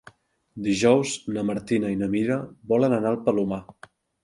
Dijous na Martina i na Mira volen anar al Palomar.